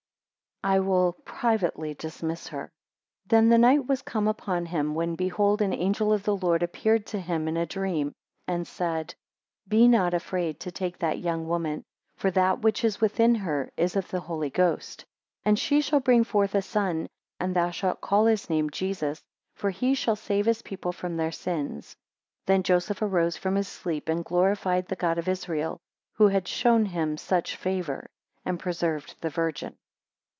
I will privately dismiss her. 17 Then the night was come upon him, when behold an angel of the Lord appeared to him in a dream, and said, 18 Be not afraid to take that young woman, for that which is within her is of the Holy Ghost, 19 And she shall bring forth a son, and thou shalt call his name Jesus, for he shall save his people from their sins. 20 Then Joseph arose from his sleep, and glorified the God of Israel, who had shewn him such favour, and preserved the Virgin.